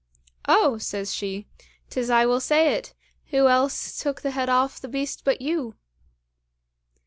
"Oh!" says she, "'tis I will say it; who else took the head off the beast but you!"